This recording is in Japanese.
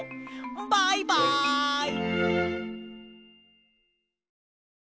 バイバイ！